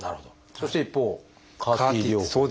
そして一方ＣＡＲ−Ｔ療法。